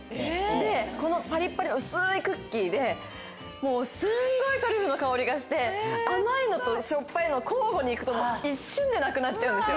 でこのパリパリの薄いクッキーですっごいトリュフの香りがして甘いのとしょっぱいのを交互に行くと一瞬でなくなっちゃうんですよ。